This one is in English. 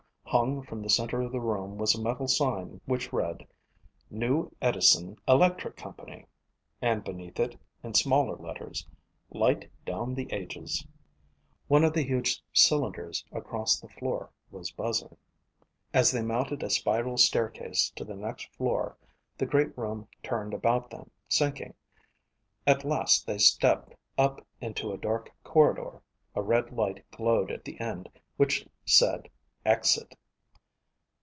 Hung from the center of the room was a metal sign which read: NEW EDISON ELECTRIC COMPANY and beneath it, in smaller letters: "LIGHT DOWN THE AGES" One of the huge cylinders, across the floor, was buzzing. As they mounted a spiral staircase to the next floor the great room turned about them, sinking. At last they stepped up into a dark corridor. A red light glowed at the end which said: EXIT.